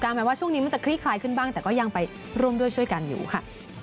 หมายว่าช่วงนี้มันจะคลี่คลายขึ้นบ้างแต่ก็ยังไปร่วมด้วยช่วยกันอยู่ค่ะ